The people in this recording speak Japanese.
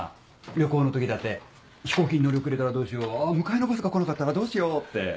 旅行の時だって飛行機に乗り遅れたらどうしよう迎えのバスが来なかったらどうしようって。